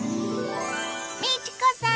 美智子さん